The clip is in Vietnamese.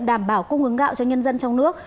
đảm bảo cung ứng gạo cho nhân dân trong nước